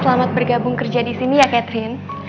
selamat bergabung kerja disini ya catherine